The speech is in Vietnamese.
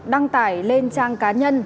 đăng tải lên trang cá nhân